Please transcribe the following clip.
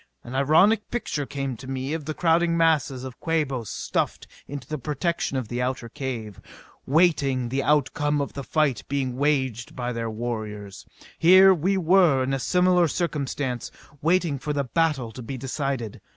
An ironic picture came to me of the crowding masses of Quabos stuffed into the protection of the outer cave, waiting the outcome of the fight being waged by their warriors. Here were we in a similar circumstance, waiting for the battle to be decided.